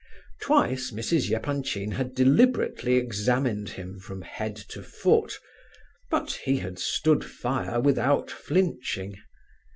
Twice Mrs. Epanchin had deliberately examined him from head to foot; but he had stood fire without flinching.